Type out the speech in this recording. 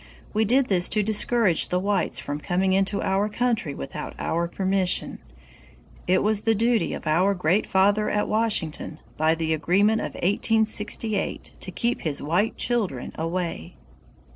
We did this to discourage the whites from coming into our country without our permission. It was the duty of our Great Father at Washington, by the agreement of 1868, to keep his white children away.